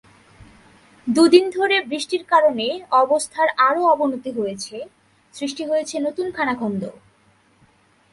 দুদিন ধরে বৃষ্টির কারণে অবস্থার আরও অবনতি হয়েছে, সৃষ্টি হয়েছে নতুন খানাখন্দ।